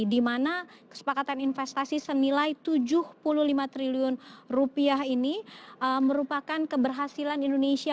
di mana kesepakatan investasi senilai tujuh puluh lima triliun rupiah ini merupakan keberhasilan indonesia